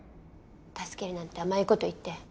助けるなんて甘いこと言って。